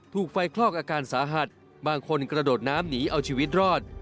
ถูกไฟคลอกอาการสาหัสบางคนกระโดดน้ำหนีเอาชีวิตรอด